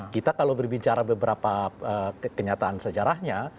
kita kalau berbicara beberapa kenyataan sejarahnya